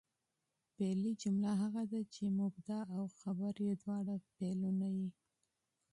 فعلي جمله هغه ده، چي مبتدا او خبر ئې دواړه فعلونه يي.